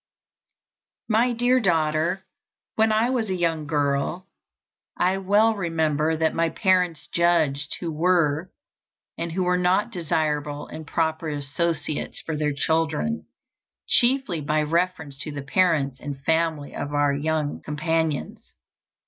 My Dear Daughter: When I was a young girl, I well remember that my parents judged who were and who were not desirable and proper associates for their children, chiefly by reference to the parents and family of our young companions.